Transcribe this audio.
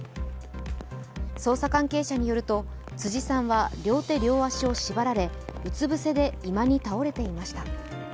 捜査関係者によりますと、辻さんは両手両足を縛られ、うつ伏せで居間に倒れていました。